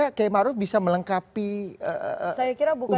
pak yaimaro bisa melengkapi unsur ke ini nggak pak